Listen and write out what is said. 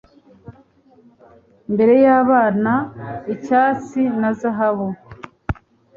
Mbere y'abana icyatsi na zahabu